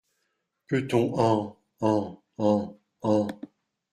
Peut-on en … en … en … en …